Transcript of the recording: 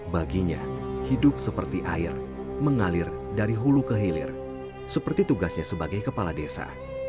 baginya hidup seperti air mengalir dari hulu ke hilir seperti tugasnya sebagai kepala desa